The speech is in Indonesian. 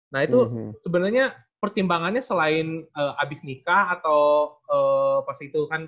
nah itu sebenarnya pertimbangannya selain habis nikah atau pas itu kan